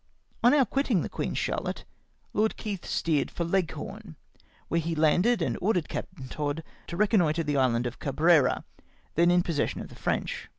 On our quitting tiie Queen Charlotte, Lord Keith steered for Leghorn, where he landed, and ordered Captain Todd to recon noitre the island of Cal^rera, then in possession of the French.